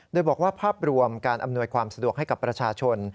โดยบอกว่าภาพรวมการอำนวยความสะดวกให้กับประชาชน